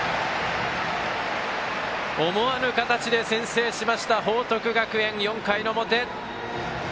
思わぬ形で先制しました報徳学園４回の表。